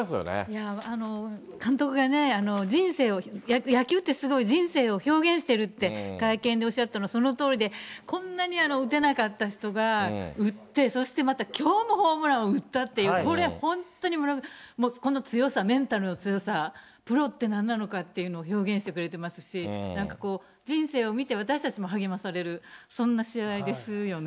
いやぁ、監督がね、人生を、野球ってすごい人生を表現しているって会見でおっしゃったのそのとおりで、こんなに打てなかった人が打って、そしてまたきょうもホームランを打ったっていう、これ、本当に村上選手、もうこの強さ、メンタルの強さ、プロってなんなのかっていうのを表現してくれてますし、なんか人生を見て、私たちも励まされる、そんな試合ですよね。